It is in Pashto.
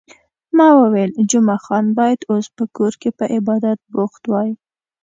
ما وویل، جمعه خان باید اوس په کور کې په عبادت بوخت وای.